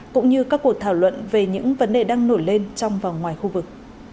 cũng như các cuộc thảo luận về những vấn đề đang nổi lên trong và ngoài khu vực